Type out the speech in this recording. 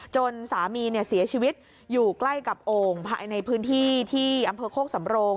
จนสามีเสียชีวิตอยู่ใกล้กับโอ่งภายในพื้นที่ที่อำเภอโคกสำโรง